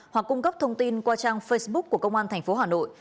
hoặc cung cấp thông tin qua trang facebook của công an tp hà nội